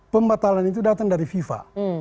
pembatalan itu datang dari fifa